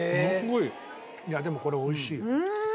いやでもこれ美味しい。